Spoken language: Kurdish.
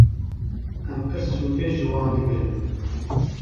Em pir sûdê ji wan digirin.